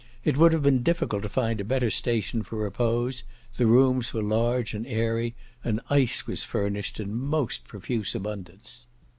It would have been difficult to find a better station for repose; the rooms were large and airy, and ice was furnished in most profuse abundance.